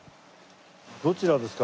どちらですか？